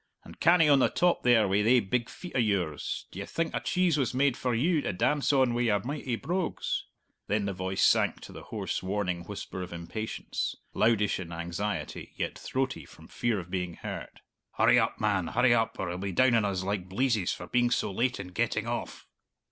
"And canny on the top there wi' thae big feet o' yours; d'ye think a cheese was made for you to dance on wi' your mighty brogues?" Then the voice sank to the hoarse, warning whisper of impatience loudish in anxiety, yet throaty from fear of being heard. "Hurry up, man hurry up, or he'll be down on us like bleezes for being so late in getting off!"